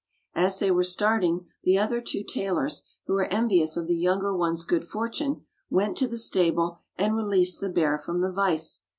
As they were starting, the other two tailors, who were envious of the younger one's good fortune, went to the stable and released the bear from the vise.